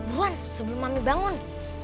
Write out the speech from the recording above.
gue mau sebelum mami bangun